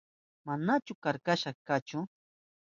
Manashi karkachu chusha.